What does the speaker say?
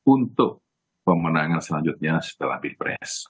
untuk pemenangan selanjutnya setelah pilpres